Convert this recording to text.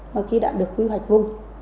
và ký đạn được quy hoạch vùng